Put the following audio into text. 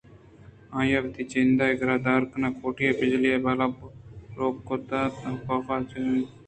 آئی ءَوتی جند ءَ گر ءُ دار کنان کوٹی ءِ بجلی ءِ بلب روک کُت اَنت ءُکاف ءَپجّاہ آورت